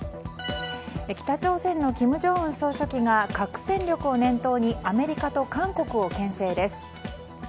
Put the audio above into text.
北朝鮮の金正恩総書記が核戦力を念頭にアメリカと韓国を牽制です。